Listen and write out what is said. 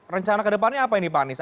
rencana ke depannya apa ini pak anies